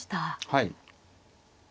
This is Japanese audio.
はい。